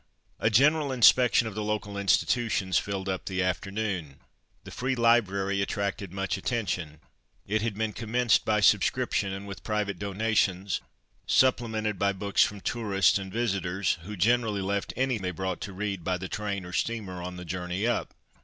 A general inspection of the local institutions filled up the afternoon. The free library attracted much attention. It had been commenced by subscription, and with private donations, supplemented by books from tourists and visitors, who generally left any they brought to read by train or steamer on the journey up.